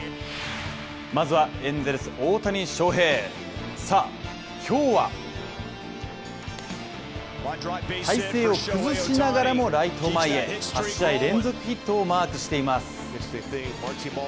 まずはエンゼルス・大谷翔平さあ今日は体勢を崩しながらもライト前へ８試合連続ヒットをマークしてます